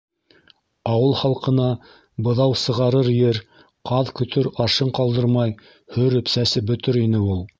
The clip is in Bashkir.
Ауыл халҡына быҙау сығарыр ер, ҡаҙ көтөр аршын ҡалдырмай һөрөп-сәсеп бөтөр ине ул!